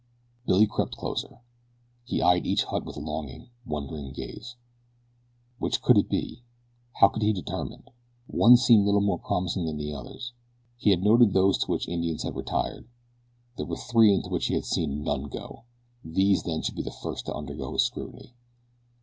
Billy crept closer. He eyed each hut with longing, wondering gaze. Which could it be? How could he determine? One seemed little more promising than the others. He had noted those to which Indians had retired. There were three into which he had seen none go. These, then, should be the first to undergo his scrutiny.